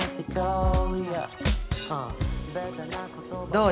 ・どう？